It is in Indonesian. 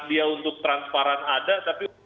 dia untuk transparan ada tapi